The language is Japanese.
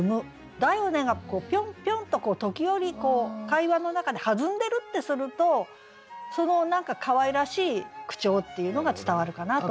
「だよね」がピョンピョンと時折こう会話の中で弾んでるってするとその何か可愛らしい口調っていうのが伝わるかなと思いますね。